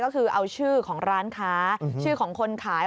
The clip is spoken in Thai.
ก็คือเอาชื่อของร้านค้าชื่อของคนขาย